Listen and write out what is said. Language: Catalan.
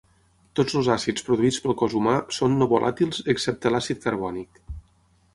Tots els àcids produïts pel cos humà són no volàtils excepte l'àcid carbònic.